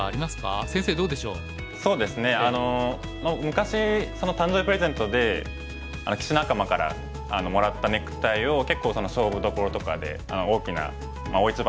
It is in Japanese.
昔誕生日プレゼントで棋士仲間からもらったネクタイを結構勝負どころとかで大きな大一番とかで使っていますね。